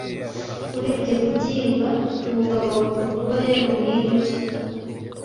Urebye kubyimba, umugabo agomba kuba yarumwe n'inzoka.